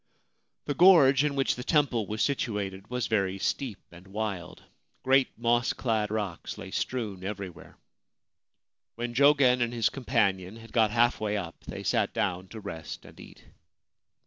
The gorge in which the temple was situated was very steep and wild. Great moss clad rocks lay strewn every where. When Jogen and his companion had got half way up they sat down to rest and eat.